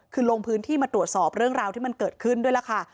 คือลงพื้นที่มาตรวจสอบเรื่องราวที่มันเกิดขึ้นด้วยล่ะค่ะ